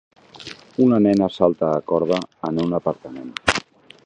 Una nena salta a corda en un aparcament.